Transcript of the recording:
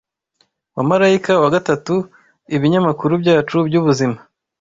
wa marayika wa gatatu. Ibinyamakuru byacu by’ubuzima